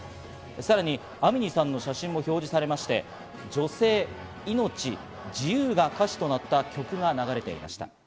さらにアミニさんの写真も表示されまして、女性、命、自由が歌詞となった曲が流れていました。